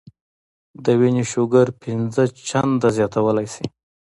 د وينې شوګر پنځه چنده زياتولے شي -